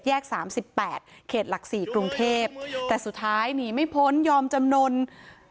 สามสิบแปดเขตหลัก๔กรุงเทพแต่สุดท้ายหนีไม่พ้นยอมจำนวน